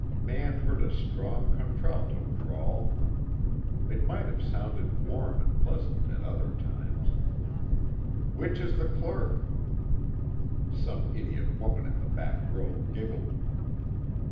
Mann heard a strong contralto drawl; it might have sounded warm and pleasant at other times: "Which is the clerk?" Some idiot woman in the back row giggled.